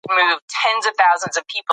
موږ به دا دروغ نور نه منو.